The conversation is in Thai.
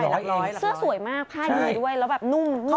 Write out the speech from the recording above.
เสื้อสวยมากผ้าดีด้วยแล้วแบบนุ่มนุ่ม